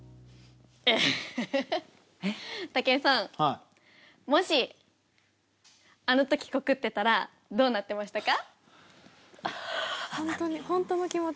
武井さん、もし、あのとき告ってたらどうなってましたか？